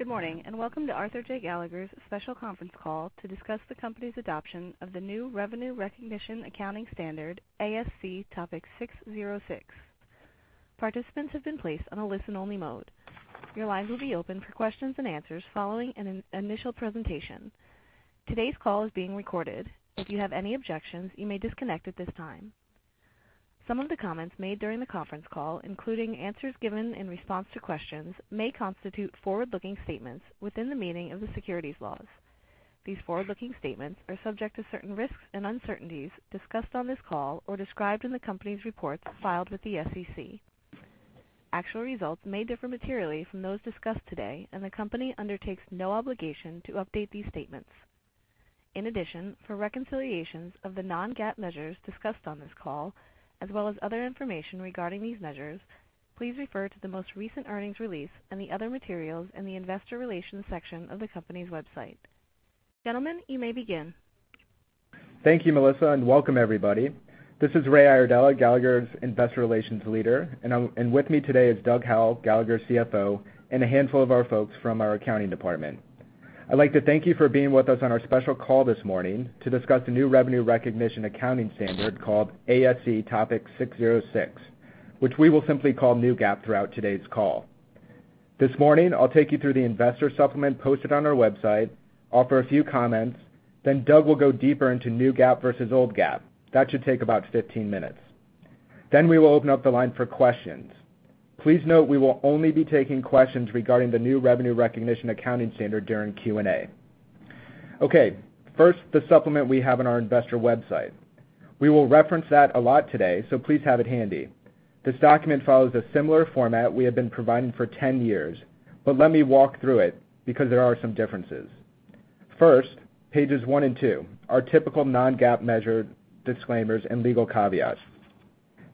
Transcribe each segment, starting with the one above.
Good morning, and welcome to Arthur J. Gallagher's special conference call to discuss the company's adoption of the new revenue recognition accounting standard, ASC Topic 606. Participants have been placed on a listen-only mode. Your lines will be open for questions and answers following an initial presentation. Today's call is being recorded. If you have any objections, you may disconnect at this time. Some of the comments made during the conference call, including answers given in response to questions, may constitute forward-looking statements within the meaning of the securities laws. These forward-looking statements are subject to certain risks and uncertainties discussed on this call or described in the Company's reports filed with the SEC. Actual results may differ materially from those discussed today, and the Company undertakes no obligation to update these statements. In addition, for reconciliations of the non-GAAP measures discussed on this call, as well as other information regarding these measures, please refer to the most recent earnings release and the other materials in the investor relations section of the company's website. Gentlemen, you may begin. Thank you, Melissa, and welcome everybody. This is Ray Iardella, Gallagher's Investor Relations leader, and with me today is Doug Howell, Gallagher's CFO, and a handful of our folks from our accounting department. I'd like to thank you for being with us on our special call this morning to discuss the new revenue recognition accounting standard called ASC Topic 606, which we will simply call new GAAP throughout today's call. This morning, I'll take you through the investor supplement posted on our website, offer a few comments, then Doug will go deeper into new GAAP versus old GAAP. That should take about 15 minutes. Then we will open up the line for questions. Please note we will only be taking questions regarding the new revenue recognition accounting standard during Q&A. Okay. First, the supplement we have on our investor website. We will reference that a lot today, so please have it handy. This document follows a similar format we have been providing for 10 years. Let me walk through it, because there are some differences. First, pages one and two. Our typical non-GAAP measure disclaimers and legal caveats.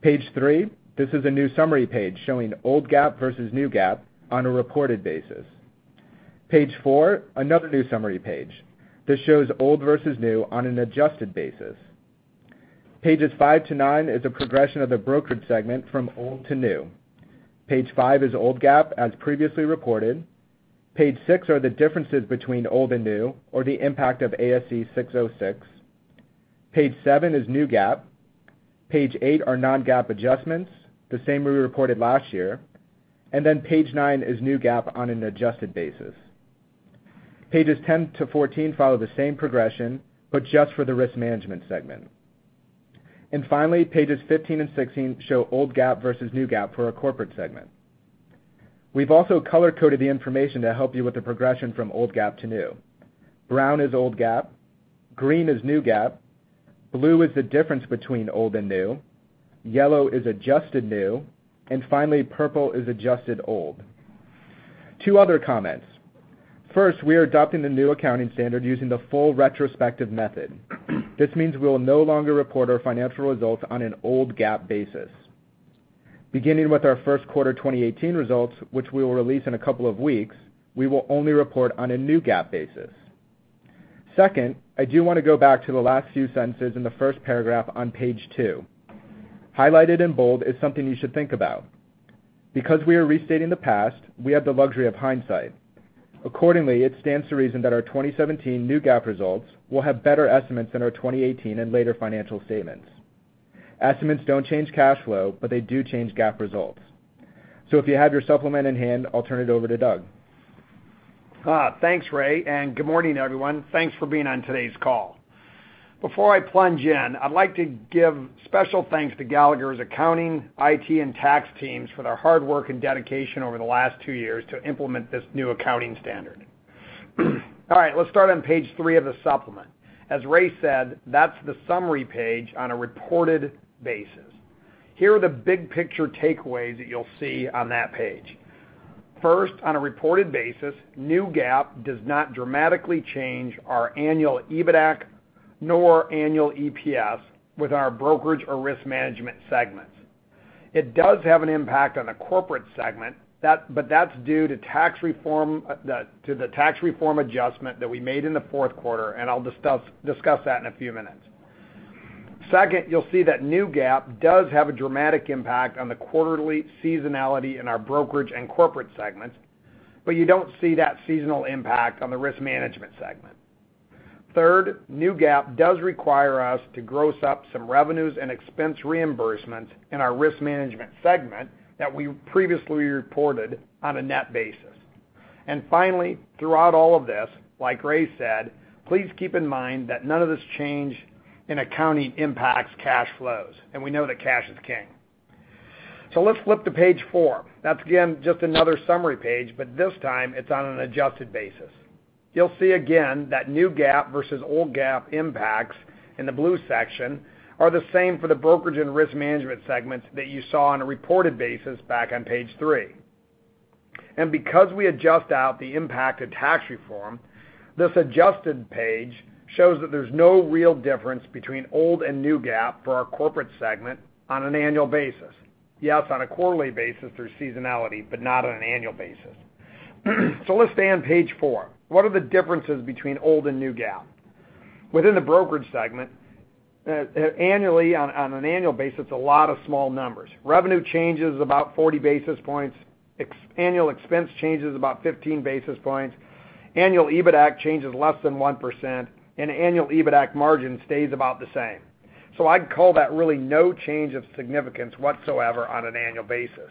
Page three, this is a new summary page showing old GAAP versus new GAAP on a reported basis. Page four, another new summary page. This shows old versus new on an adjusted basis. Pages five to nine is a progression of the brokerage segment from old to new. Page five is old GAAP as previously reported. Page six are the differences between old and new, or the impact of ASC 606. Page seven is new GAAP. Page eight are non-GAAP adjustments, the same we reported last year. Then page nine is new GAAP on an adjusted basis. pages 10 to 14 follow the same progression, but just for the risk management segment. Finally, pages 15 and 16 show old GAAP versus new GAAP for our corporate segment. We've also color-coded the information to help you with the progression from old GAAP to new. Brown is old GAAP, green is new GAAP, blue is the difference between old and new, yellow is adjusted new, and finally, purple is adjusted old. Two other comments. First, we are adopting the new accounting standard using the full retrospective method. This means we will no longer report our financial results on an old GAAP basis. Beginning with our first quarter 2018 results, which we will release in a couple of weeks, we will only report on a new GAAP basis. Second, I do want to go back to the last few sentences in the first paragraph on page two. Highlighted in bold is something you should think about. Because we are restating the past, we have the luxury of hindsight. Accordingly, it stands to reason that our 2017 new GAAP results will have better estimates than our 2018 and later financial statements. Estimates don't change cash flow, but they do change GAAP results. If you have your supplement in hand, I'll turn it over to Doug. Thanks, Ray, and good morning, everyone. Thanks for being on today's call. Before I plunge in, I'd like to give special thanks to Gallagher's accounting, IT, and tax teams for their hard work and dedication over the last two years to implement this new accounting standard. All right. Let's start on page three of the supplement. As Ray said, that's the summary page on a reported basis. Here are the big picture takeaways that you'll see on that page. First, on a reported basis, new GAAP does not dramatically change our annual EBITAC nor annual EPS with our brokerage or risk management segments. It does have an impact on the corporate segment, but that's due to the tax reform adjustment that we made in the fourth quarter, and I'll discuss that in a few minutes. Second, you'll see that new GAAP does have a dramatic impact on the quarterly seasonality in our brokerage and corporate segments, but you don't see that seasonal impact on the risk management segment. Third, new GAAP does require us to gross up some revenues and expense reimbursements in our risk management segment that we previously reported on a net basis. Finally, throughout all of this, like Ray said, please keep in mind that none of this change in accounting impacts cash flows, and we know that cash is king. Let's flip to page four. That's, again, just another summary page, but this time, it's on an adjusted basis. You'll see again that new GAAP versus old GAAP impacts in the blue section are the same for the brokerage and risk management segments that you saw on a reported basis back on page three. Because we adjust out the impact of tax reform, this adjusted page shows that there's no real difference between old and new GAAP for our corporate segment on an annual basis. Yes, on a quarterly basis there's seasonality, but not on an annual basis. Let's stay on page four. What are the differences between old and new GAAP? Within the brokerage segment, annually, on an annual basis, it's a lot of small numbers. Revenue change is about 40 basis points. Annual expense change is about 15 basis points. Annual EBITAC change is less than 1%, and annual EBITAC margin stays about the same. I'd call that really no change of significance whatsoever on an annual basis.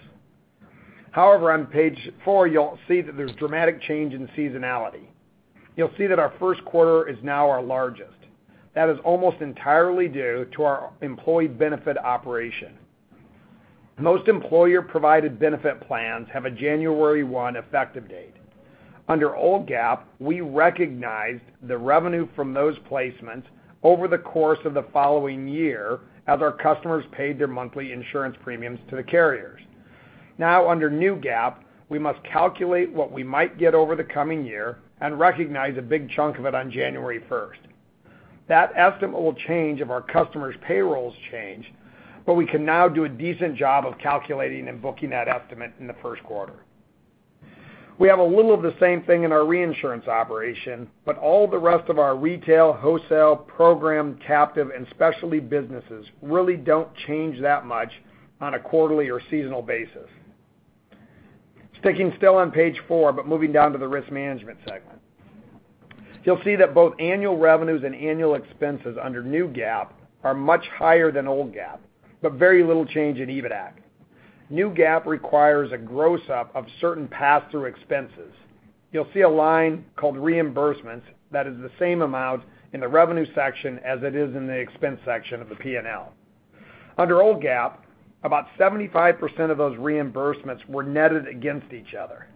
However, on page four, you'll see that there's dramatic change in seasonality. You'll see that our first quarter is now our largest. That is almost entirely due to our employee benefit operation. Most employer-provided benefit plans have a January 1 effective date. Under old GAAP, we recognized the revenue from those placements over the course of the following year as our customers paid their monthly insurance premiums to the carriers. Now, under new GAAP, we must calculate what we might get over the coming year and recognize a big chunk of it on January 1st. That estimate will change if our customers' payrolls change, but we can now do a decent job of calculating and booking that estimate in the first quarter. We have a little of the same thing in our reinsurance operation. All the rest of our retail, wholesale, program, captive, and specialty businesses really don't change that much on a quarterly or seasonal basis. Sticking still on page four but moving down to the risk management segment. You'll see that both annual revenues and annual expenses under new GAAP are much higher than old GAAP. Very little change in EBITAC. New GAAP requires a gross-up of certain pass-through expenses. You'll see a line called reimbursements that is the same amount in the revenue section as it is in the expense section of the P&L. Under old GAAP, about 75% of those reimbursements were netted against each other.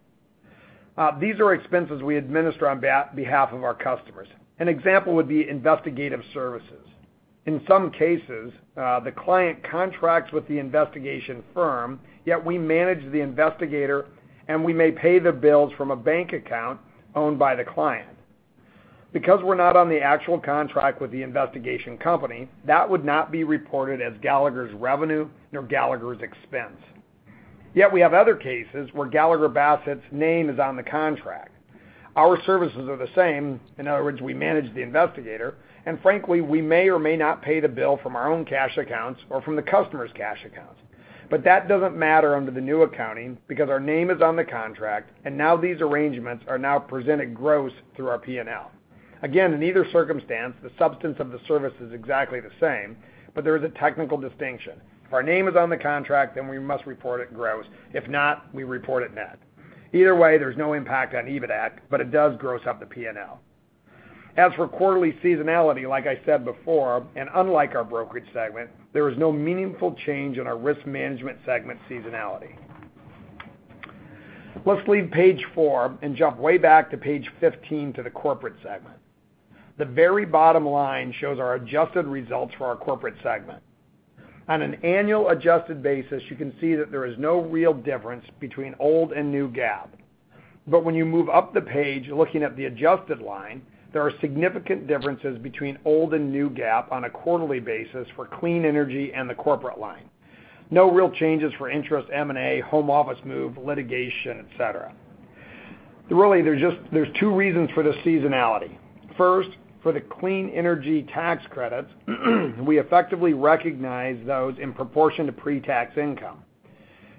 These are expenses we administer on behalf of our customers. An example would be investigative services. In some cases, the client contracts with the investigation firm, yet we manage the investigator, and we may pay the bills from a bank account owned by the client. We're not on the actual contract with the investigation company, that would not be reported as Gallagher's revenue nor Gallagher's expense. We have other cases where Gallagher Bassett's name is on the contract. Our services are the same, in other words, we manage the investigator, and frankly, we may or may not pay the bill from our own cash accounts or from the customer's cash accounts. That doesn't matter under the new accounting because our name is on the contract. Now these arrangements are now presented gross through our P&L. In either circumstance, the substance of the service is exactly the same. There is a technical distinction. If our name is on the contract, we must report it gross. If not, we report it net. Either way, there's no impact on EBITAC, but it does gross up the P&L. As for quarterly seasonality, like I said before, unlike our brokerage segment, there is no meaningful change in our risk management segment seasonality. Let's leave page four and jump way back to page 15 to the corporate segment. The very bottom line shows our adjusted results for our corporate segment. On an annual adjusted basis, you can see that there is no real difference between old and new GAAP. When you move up the page, looking at the adjusted line, there are significant differences between old and new GAAP on a quarterly basis for clean energy and the corporate line. No real changes for interest, M&A, home office move, litigation, et cetera. There's two reasons for this seasonality. First, for the clean energy tax credits, we effectively recognize those in proportion to pre-tax income.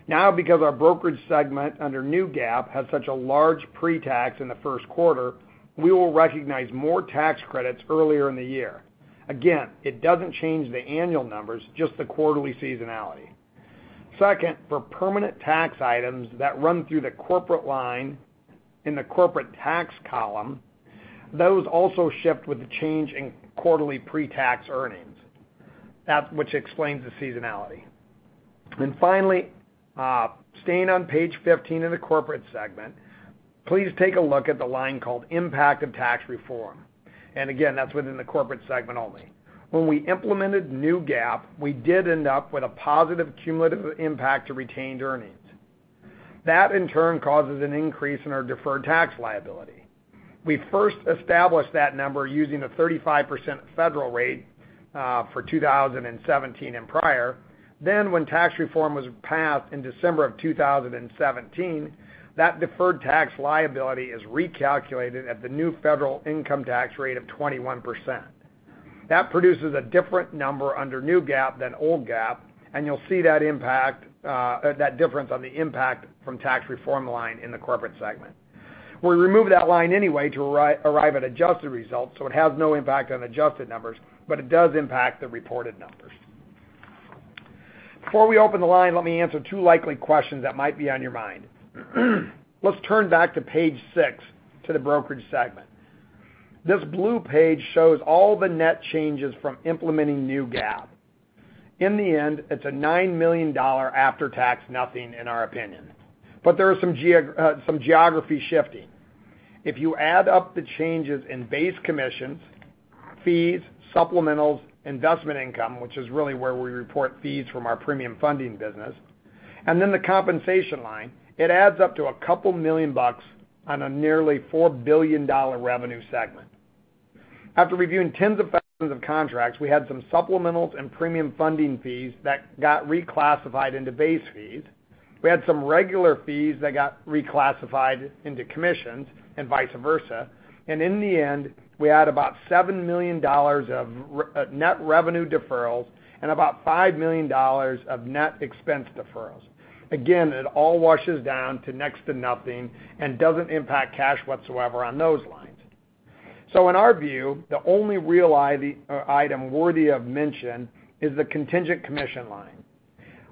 Because our brokerage segment under new GAAP has such a large pre-tax in the first quarter, we will recognize more tax credits earlier in the year. It doesn't change the annual numbers, just the quarterly seasonality. Second, for permanent tax items that run through the corporate line in the corporate tax column, those also shift with the change in quarterly pre-tax earnings, that which explains the seasonality. Finally, staying on page 15 of the corporate segment, please take a look at the line called impact of tax reform. Again, that's within the corporate segment only. When we implemented new GAAP, we did end up with a positive cumulative impact to retained earnings. That in turn causes an increase in our deferred tax liability. We first established that number using a 35% federal rate for 2017 and prior. When tax reform was passed in December of 2017, that deferred tax liability is recalculated at the new federal income tax rate of 21%. That produces a different number under new GAAP than old GAAP. You'll see that difference on the impact from tax reform line in the corporate segment. We remove that line anyway to arrive at adjusted results, so it has no impact on adjusted numbers, but it does impact the reported numbers. Before we open the line, let me answer two likely questions that might be on your mind. Let's turn back to page six, to the brokerage segment. This blue page shows all the net changes from implementing new GAAP. In the end, it's a $9 million after-tax nothing in our opinion. There is some geography shifting. If you add up the changes in base commissions, fees, supplementals, investment income, which is really where we report fees from our premium funding business, and then the compensation line, it adds up to a couple million bucks on a nearly $4 billion revenue segment. After reviewing tens of thousands of contracts, we had some supplementals and premium funding fees that got reclassified into base fees. We had some regular fees that got reclassified into commissions and vice versa. In the end, we had about $7 million of net revenue deferrals and about $5 million of net expense deferrals. It all washes down to next to nothing and doesn't impact cash whatsoever on those lines. In our view, the only real item worthy of mention is the contingent commission line.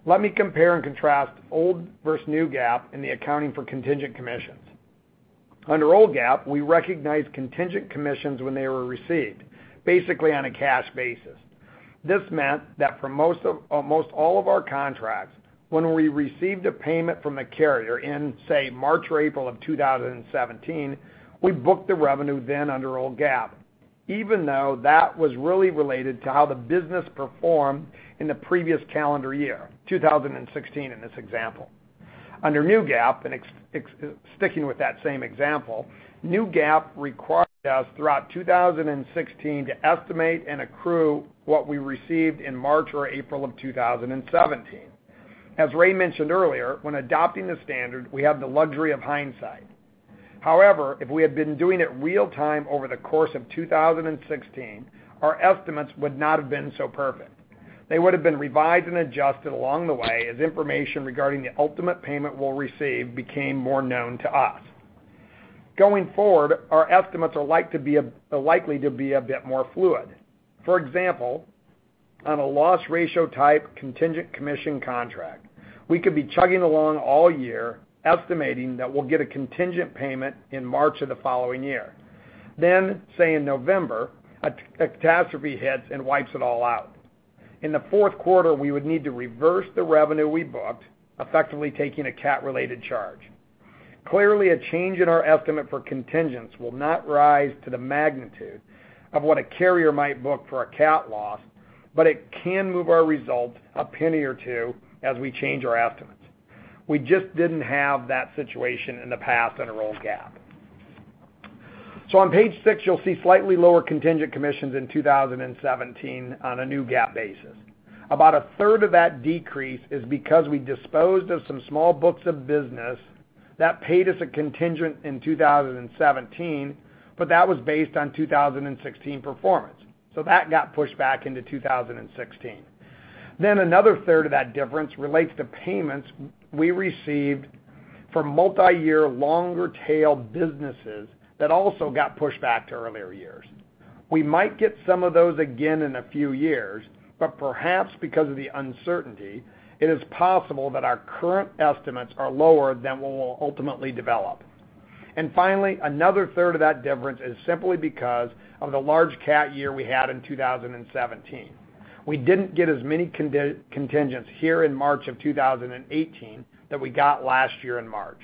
Let me compare and contrast old versus new GAAP in the accounting for contingent commissions. Under old GAAP, we recognized contingent commissions when they were received, basically on a cash basis. This meant that for most all of our contracts, when we received a payment from the carrier in, say, March or April of 2017, we booked the revenue then under old GAAP, even though that was really related to how the business performed in the previous calendar year, 2016 in this example. Under new GAAP, and sticking with that same example, new GAAP required us throughout 2016 to estimate and accrue what we received in March or April of 2017. As Ray mentioned earlier, when adopting the standard, we have the luxury of hindsight. However, if we had been doing it real time over the course of 2016, our estimates would not have been so perfect. They would've been revised and adjusted along the way as information regarding the ultimate payment we'll receive became more known to us. Going forward, our estimates are likely to be a bit more fluid. For example, on a loss ratio type contingent commission contract, we could be chugging along all year, estimating that we'll get a contingent payment in March of the following year. Say in November, a catastrophe hits and wipes it all out. In the fourth quarter, we would need to reverse the revenue we booked, effectively taking a cat related charge. Clearly, a change in our estimate for contingents will not rise to the magnitude of what a carrier might book for a cat loss, but it can move our results a penny or two as we change our estimates. We just didn't have that situation in the past under old GAAP. On page six, you'll see slightly lower contingent commissions in 2017 on a new GAAP basis. About a third of that decrease is because we disposed of some small books of business that paid us a contingent in 2017, but that was based on 2016 performance, so that got pushed back into 2016. Another third of that difference relates to payments we received for multi-year longer tail businesses that also got pushed back to earlier years. We might get some of those again in a few years, but perhaps because of the uncertainty, it is possible that our current estimates are lower than what will ultimately develop. Finally, another third of that difference is simply because of the large cat year we had in 2017. We didn't get as many contingents here in March of 2018 that we got last year in March.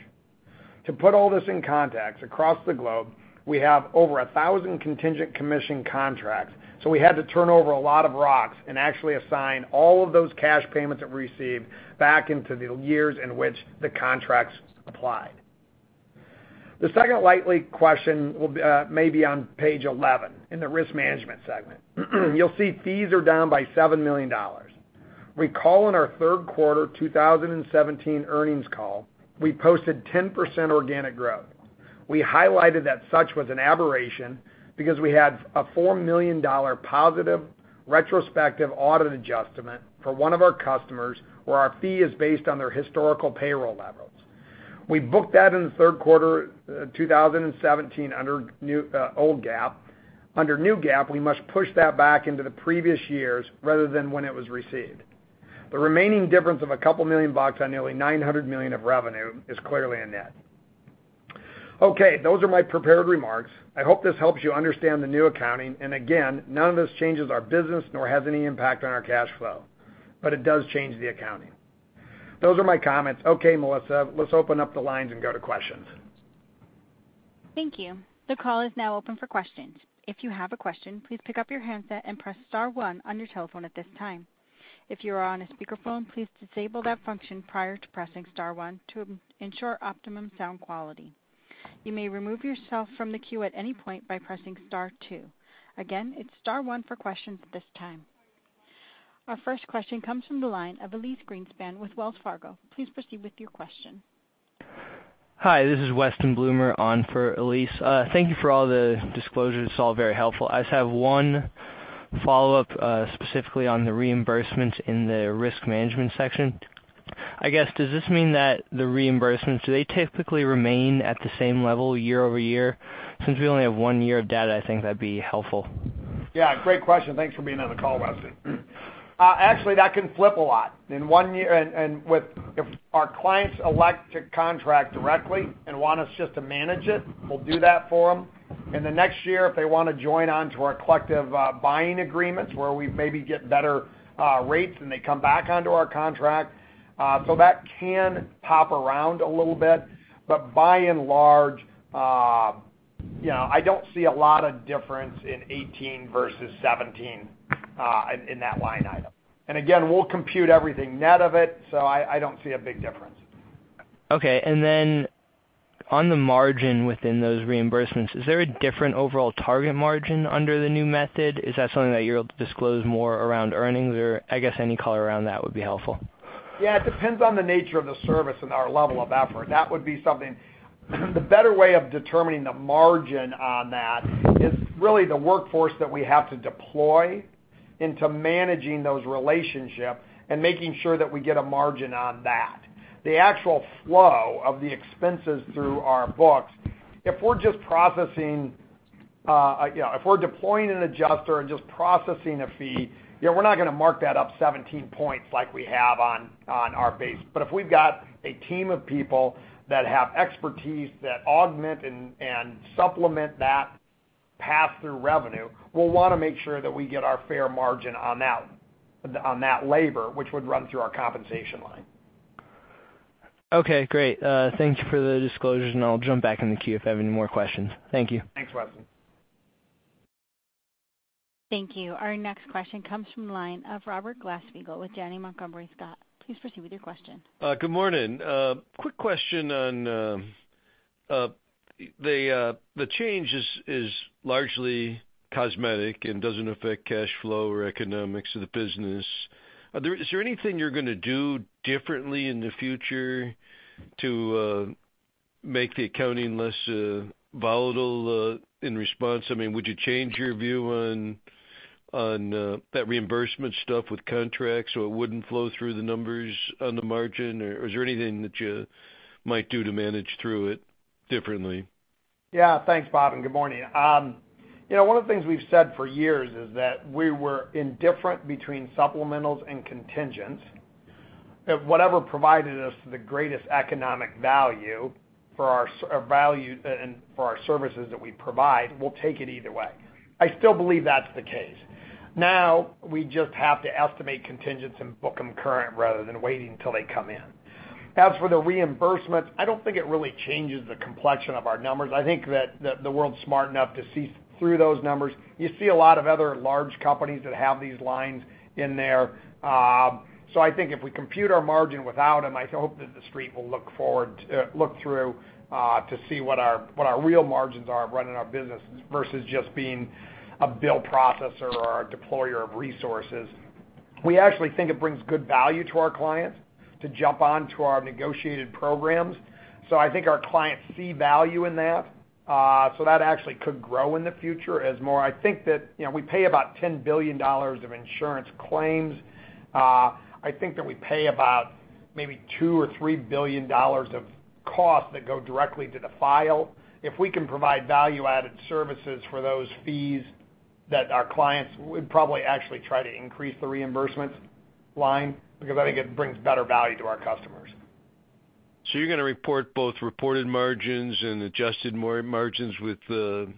To put all this in context, across the globe, we have over 1,000 contingent commission contracts, so we had to turn over a lot of rocks and actually assign all of those cash payments that we received back into the years in which the contracts applied. The second likely question may be on page 11 in the risk management segment. You'll see fees are down by $7 million. Recall in our third quarter 2017 earnings call, we posted 10% organic growth. We highlighted that such was an aberration because we had a $4 million positive retrospective audit adjustment for one of our customers, where our fee is based on their historical payroll levels. We booked that in the third quarter 2017 under old GAAP. Under new GAAP, we must push that back into the previous years rather than when it was received. The remaining difference of a couple million dollars on nearly $900 million of revenue is clearly a net. Those are my prepared remarks. I hope this helps you understand the new accounting, none of this changes our business nor has any impact on our cash flow, but it does change the accounting. Those are my comments. Melissa, let's open up the lines and go to questions. Thank you. The call is now open for questions. If you have a question, please pick up your handset and press *1 on your telephone at this time. If you are on a speakerphone, please disable that function prior to pressing *1 to ensure optimum sound quality. You may remove yourself from the queue at any point by pressing *2. Again, it's *1 for questions at this time. Our first question comes from the line of Elyse Greenspan with Wells Fargo. Please proceed with your question. Hi, this is Weston Bloomer on for Elyse. Thank you for all the disclosures. It's all very helpful. I just have one follow-up, specifically on the reimbursements in the risk management section. I guess, does this mean that the reimbursements, do they typically remain at the same level year-over-year? Since we only have one year of data, I think that'd be helpful. Great question. Thanks for being on the call, Weston. That can flip a lot. If our clients elect to contract directly and want us just to manage it, we'll do that for them. In the next year, if they want to join onto our collective buying agreements where we maybe get better rates, they come back onto our contract. That can pop around a little bit, but by and large, I don't see a lot of difference in 2018 versus 2017 in that line item. We'll compute everything net of it. I don't see a big difference. Okay. On the margin within those reimbursements, is there a different overall target margin under the new method? Is that something that you're able to disclose more around earnings or I guess any color around that would be helpful. Yeah, it depends on the nature of the service and our level of effort. That would be something. The better way of determining the margin on that is really the workforce that we have to deploy into managing those relationships and making sure that we get a margin on that. The actual flow of the expenses through our books, if we're deploying an adjuster and just processing a fee, we're not going to mark that up 17 points like we have on our base. If we've got a team of people that have expertise that augment and supplement that pass-through revenue, we'll want to make sure that we get our fair margin on that labor, which would run through our compensation line. Okay, great. Thanks for the disclosures. I'll jump back in the queue if I have any more questions. Thank you. Thanks, Weston. Thank you. Our next question comes from the line of Robert Glasspiegel with Janney Montgomery Scott. Please proceed with your question. Good morning. Quick question on the change is largely cosmetic and doesn't affect cash flow or economics of the business. Is there anything you're going to do differently in the future to make the accounting less volatile in response? Would you change your view on that reimbursement stuff with contracts so it wouldn't flow through the numbers on the margin? Or is there anything that you might do to manage through it differently? Yeah. Thanks, Bob, and good morning. One of the things we've said for years is that we were indifferent between supplementals and contingents. Whatever provided us the greatest economic value for our services that we provide, we'll take it either way. I still believe that's the case. Now, we just have to estimate contingents and book them current rather than waiting until they come in. As for the reimbursements, I don't think it really changes the complexion of our numbers. I think that the world's smart enough to see through those numbers. You see a lot of other large companies that have these lines in there. I think if we compute our margin without them, I hope that the street will look through to see what our real margins are of running our business versus just being a bill processor or a deployer of resources. We actually think it brings good value to our clients to jump onto our negotiated programs. I think our clients see value in that. That actually could grow in the future as more. I think that we pay about $10 billion of insurance claims. I think that we pay about maybe $2 billion or $3 billion of costs that go directly to the file. If we can provide value-added services for those fees that our clients would probably actually try to increase the reimbursements line because I think it brings better value to our customers. You're going to report both reported margins and adjusted margins with the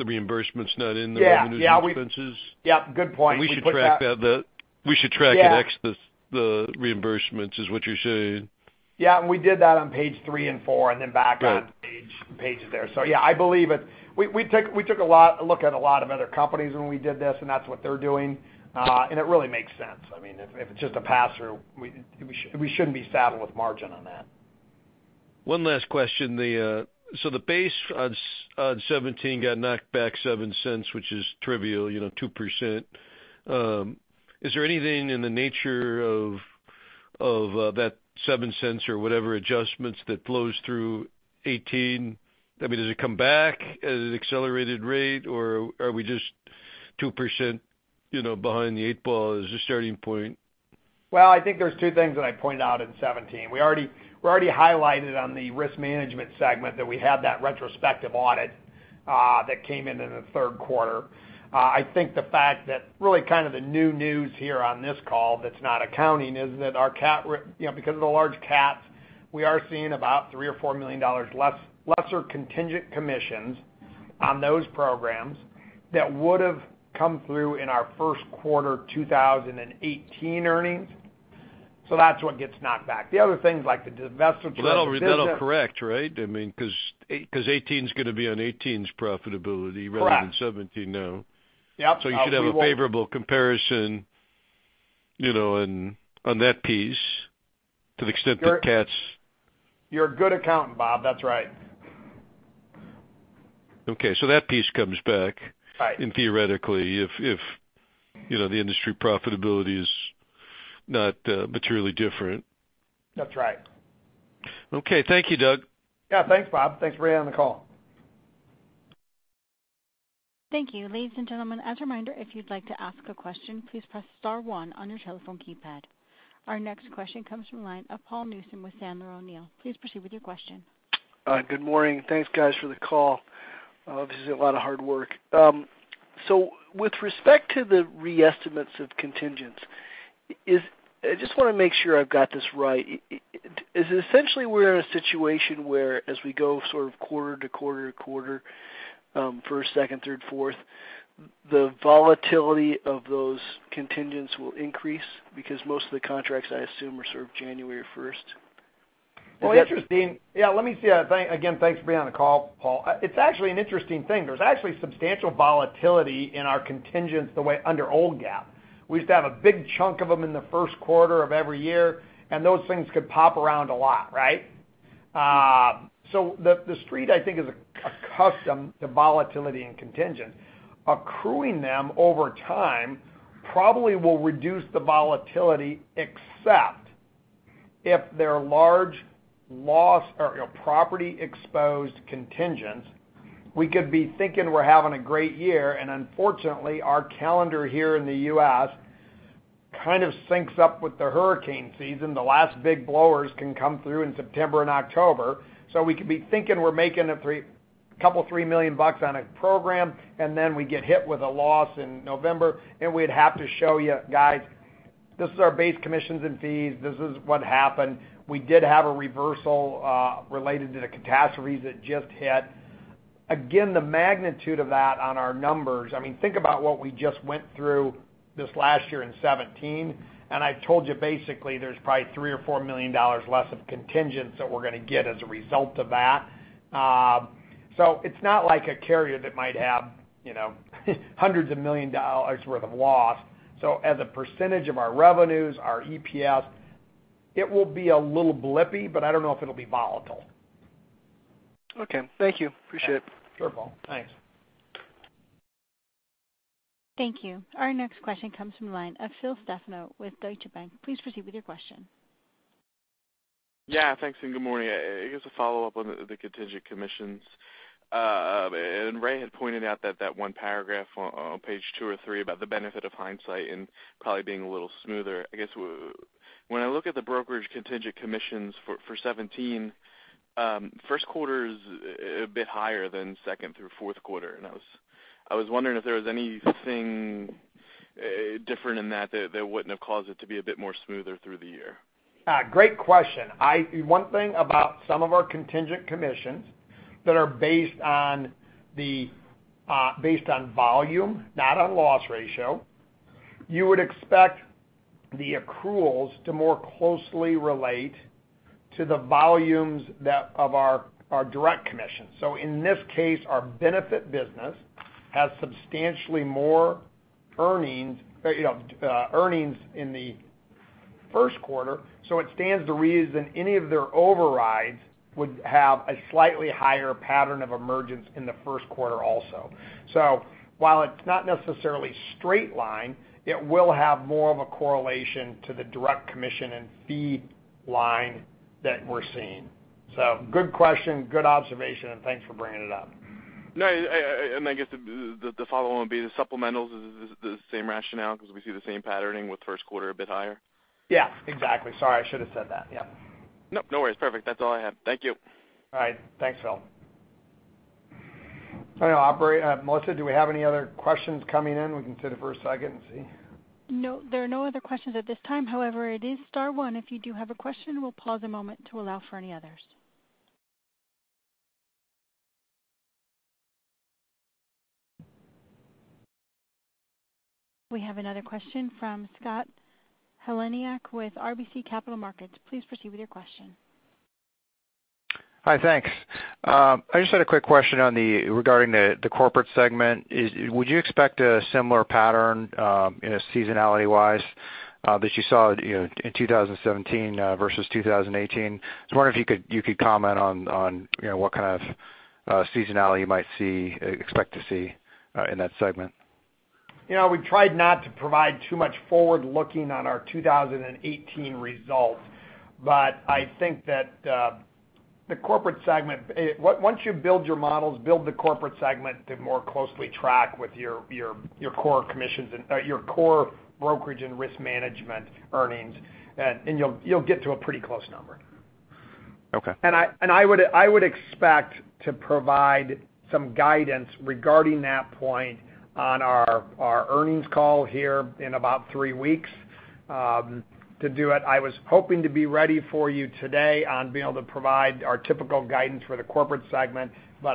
reimbursements not in the revenues and expenses? Yeah, good point. We should track it ex the reimbursements, is what you're saying. Yeah. We did that on page three and four. Good on pages there. Yeah, I believe it. We took a look at a lot of other companies when we did this, that's what they're doing. It really makes sense. If it's just a pass-through, we shouldn't be saddled with margin on that. One last question. The base on 2017 got knocked back $0.07, which is trivial, 2%. Is there anything in the nature of that $0.07 or whatever adjustments that flows through 2018? Does it come back at an accelerated rate, or are we just 2% behind the eight ball as a starting point? Well, I think there's two things that I pointed out in 2017. We already highlighted on the Risk Management segment that we had that retrospective audit that came in in the third quarter. I think the fact that really the new news here on this call that's not accounting is that because of the large CATs, we are seeing about $3 million or $4 million lesser contingent commissions on those programs that would have come through in our first quarter 2018 earnings. That's what gets knocked back. The other things like the divestiture of the business- That'll correct, right? Because 2018 is going to be on 2018's profitability rather than- Correct 2017 now. Yep. You should have a favorable comparison on that piece to the extent that CATs. You're a good accountant, Bob. That's right. That piece comes back. Right theoretically if the industry profitability is not materially different. That's right. Okay. Thank you, Doug. Yeah, thanks, Bob. Thanks for being on the call. Thank you. Ladies and gentlemen, as a reminder, if you'd like to ask a question, please press *1 on your telephone keypad. Our next question comes from the line of Paul Newsome with Sandler O'Neill. Please proceed with your question. Good morning. Thanks, guys, for the call. Obviously, a lot of hard work. With respect to the re-estimates of contingents, I just want to make sure I've got this right. Is it essentially we're in a situation where as we go quarter to quarter to quarter, first, second, third, fourth, the volatility of those contingents will increase because most of the contracts, I assume, are January 1st? Is that- Well, interesting. Yeah, let me see. Again, thanks for being on the call, Paul. It's actually an interesting thing. There's actually substantial volatility in our contingents under old GAAP. We used to have a big chunk of them in the first quarter of every year, and those things could pop around a lot, right? The Street, I think, is accustomed to volatility in contingent. Accruing them over time probably will reduce the volatility, except if they're large loss or property-exposed contingents. We could be thinking we're having a great year, and unfortunately, our calendar here in the U.S. kind of syncs up with the hurricane season. The last big blowers can come through in September and October. We could be thinking we're making a couple, three million bucks on a program, and then we get hit with a loss in November, and we'd have to show you, guys, "This is our base commissions and fees. This is what happened. We did have a reversal related to the catastrophes that just hit." Again, the magnitude of that on our numbers, think about what we just went through this last year in 2017, and I told you basically there's probably $3 million or $4 million less of contingents that we're going to get as a result of that. It's not like a carrier that might have hundreds of million dollars worth of loss. As a percentage of our revenues, our EPS, it will be a little blippy, but I don't know if it'll be volatile. Okay. Thank you. Appreciate it. Sure, Paul. Thanks. Thank you. Our next question comes from the line of Phil Stefano with Deutsche Bank. Please proceed with your question. Yeah. Thanks, and good morning. I guess a follow-up on the contingent commissions. Ray had pointed out that that one paragraph on page two or three about the benefit of hindsight and probably being a little smoother. I guess, when I look at the brokerage contingent commissions for 2017, first quarter is a bit higher than second through fourth quarter, and I was wondering if there was anything different in that that wouldn't have caused it to be a bit more smoother through the year. Great question. One thing about some of our contingent commissions that are based on volume, not on loss ratio, you would expect the accruals to more closely relate to the volumes of our direct commission. In this case, our benefit business has substantially more earnings in the first quarter, it stands to reason any of their overrides would have a slightly higher pattern of emergence in the first quarter also. While it's not necessarily straight line, it will have more of a correlation to the direct commission and fee line that we're seeing. Good question, good observation, and thanks for bringing it up. I guess the follow-on would be the supplementals is the same rationale because we see the same patterning with first quarter a bit higher? Yeah, exactly. Sorry, I should have said that. Yep. No. No worries. Perfect. That's all I have. Thank you. All right. Thanks, Phil. Melissa, do we have any other questions coming in we can sit for a second and see? No. There are no other questions at this time. However, it is star one if you do have a question. We'll pause a moment to allow for any others. We have another question from Scott Heleniak with RBC Capital Markets. Please proceed with your question. Hi, thanks. I just had a quick question regarding the corporate segment. Would you expect a similar pattern, seasonality-wise, that you saw in 2017 versus 2018? I was wondering if you could comment on what kind of seasonality you might expect to see in that segment. We tried not to provide too much forward-looking on our 2018 results. I think that the corporate segment, once you build your models, build the corporate segment to more closely track with your core brokerage and risk management earnings. You'll get to a pretty close number. Okay. I would expect to provide some guidance regarding that point on our earnings call here in about three weeks. To do it, I was hoping to be ready for you today on being able to provide our typical guidance for the corporate segment, with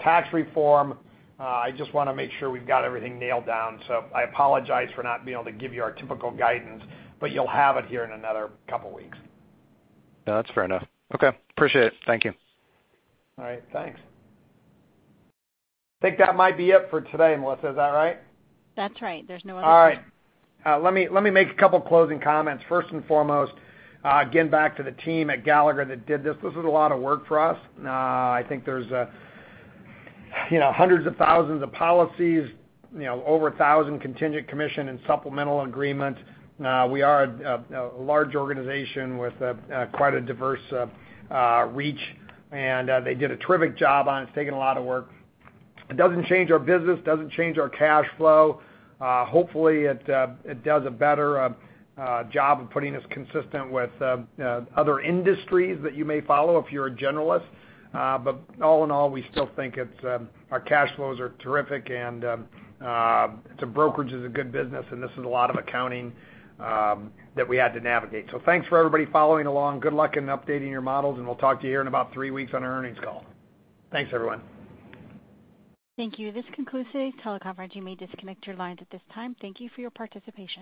tax reform, I just want to make sure we've got everything nailed down. I apologize for not being able to give you our typical guidance, but you'll have it here in another couple of weeks. That's fair enough. Okay. Appreciate it. Thank you. All right. Thanks. I think that might be it for today, Melissa. Is that right? That's right. There's no other questions. All right. Let me make a couple closing comments. First and foremost, again back to the team at Gallagher that did this. This is a lot of work for us. I think there's hundreds of thousands of policies, over 1,000 contingent commission and supplemental agreement. We are a large organization with quite a diverse reach, and they did a terrific job on it. It's taken a lot of work. It doesn't change our business, doesn't change our cash flow. Hopefully, it does a better job of putting us consistent with other industries that you may follow if you're a generalist. All in all, we still think our cash flows are terrific, and brokerage is a good business and this is a lot of accounting that we had to navigate. Thanks for everybody following along. Good luck in updating your models, and we'll talk to you here in about 3 weeks on our earnings call. Thanks, everyone. Thank you. This concludes today's teleconference. You may disconnect your lines at this time. Thank you for your participation.